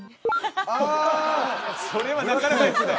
ああそれはなかなかですね